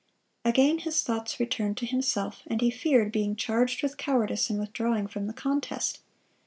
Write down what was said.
(240) Again, his thoughts returned to himself, and he feared being charged with cowardice in withdrawing from the contest.